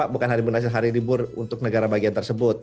bukan hari berhasil hari libur untuk negara bagian tersebut